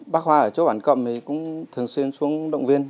bác hoa ở chỗ bản cầm thì cũng thường xuyên xuống động viên